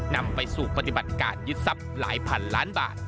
นำไปสู่ปฏิบัติการยึดทรัพย์หลายพันล้านบาท